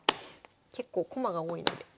結構駒が多いので。